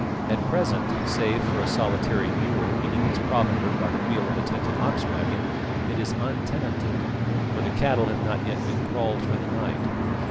At present, save for a solitary mule eating its provender by the wheel of a tented ox waggon, it is untenanted, for the cattle have not yet been kraaled for the night.